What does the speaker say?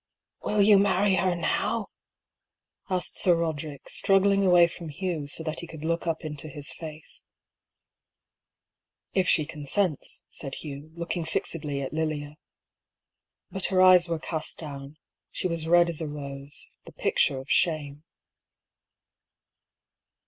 "Will you marry her now?" asked Sir Roderick, struggling away from Hugh, so that he could look up into his face. "If she consents," said Hugh, looking fixedly at Lilia. But her eyes were cast down : she was red as a rose — the picture of shame.